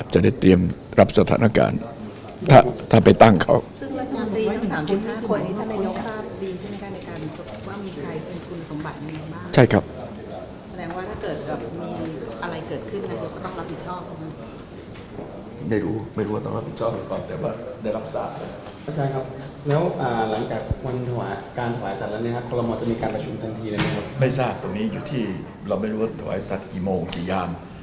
จะได้เตรียมรับสถานการณ์ถ้าไปตั้งเขา